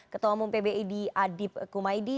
ketua umum pbid adib kumaydi